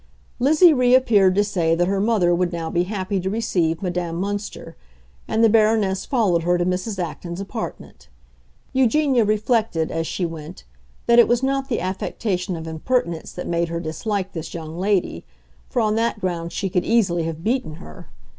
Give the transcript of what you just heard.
Lizzie reappeared to say that her mother would now be happy to receive Madame Münster; and the Baroness followed her to Mrs. Acton's apartment. Eugenia reflected, as she went, that it was not the affectation of impertinence that made her dislike this young lady, for on that ground she could easily have beaten her.